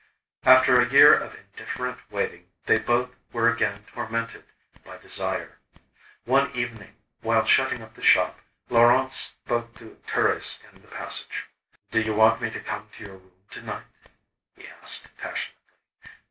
After a year of indifferent waiting they both were again tormented by desire. One evening while shutting up the shop, Laurent spoke to Thérèse in the passage. "Do you want me to come to your room to night," he asked passionately.